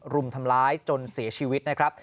รุมทำร้ายจนเสียชีวิตนะครับ